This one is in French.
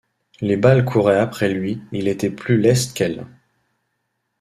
Les balles couraient après lui, il était plus leste qu’elles.